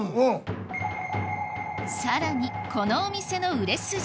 さらにこのお店の売れ筋